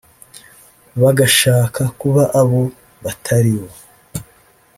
bagashaka kuba abo batari bo